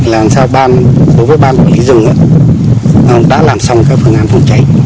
làm sao ban quản lý rừng đã làm xong các phương án phòng cháy